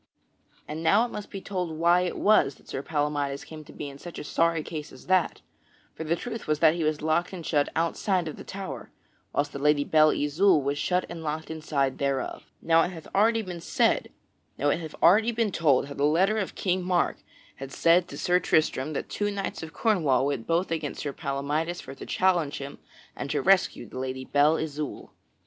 And now it must be told why it was that Sir Palamydes came to be in such a sorry case as that; for the truth was that he was locked and shut outside of the tower, whilst the Lady Belle Isoult was shut and locked inside thereof. Now it hath already been told how the letter of King Mark had said to Sir Tristram that two knights of Cornwall went both against Sir Palamydes for to challenge him and to rescue the Lady Belle Isoult.